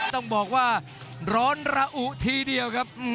ต้องบอกว่าร้อนระอุทีเดียวครับ